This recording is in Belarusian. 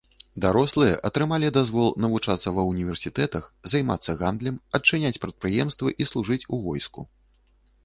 Дарослыя атрымалі дазвол навучацца ва ўніверсітэтах, займацца гандлем, адчыняць прадпрыемствы і служыць у войску.